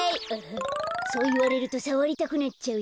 そういわれるとさわりたくなっちゃうよね。